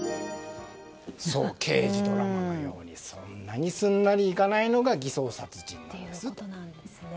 刑事ドラマのようにそんなにすんなりいかないのが偽装殺人なんですと。